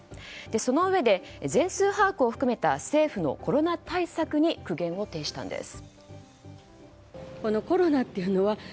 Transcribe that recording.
そのうえで、全数把握を含めた政府のコロナ対策に苦言を呈したんです。